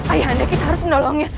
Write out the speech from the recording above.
ayah anda kita harus menolongnya